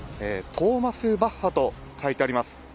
トーマス・バッハと書いてあります。